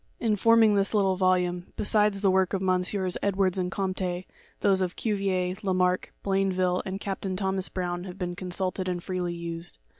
In forming this little volume, besides the works of MM. Ed wards and Comte, those of Cuvier, Lamarck, Blainville and Cap tain Thomas Brown have been consulted and freely used.